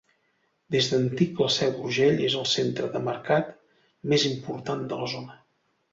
Des d'antic la Seu d'Urgell és el centre de mercat més important de la zona.